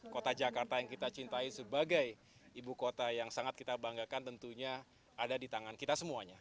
kota jakarta yang kita cintai sebagai ibu kota yang sangat kita banggakan tentunya ada di tangan kita semuanya